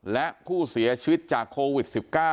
และผู้เสียชีวิตจากโควิด๑๙